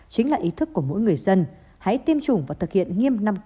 chính là ý thức của mỗi người dân hãy tiêm chủng và thực hiện nghiêm năm k của bộ y tế